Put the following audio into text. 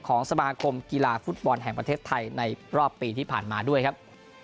สมาคมกีฬาฟุตบอลแห่งประเทศไทยในรอบปีที่ผ่านมาด้วยครับ